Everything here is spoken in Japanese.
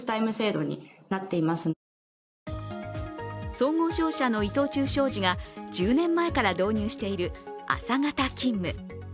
総合商社の伊藤忠商事が１０年前から導入している朝型勤務。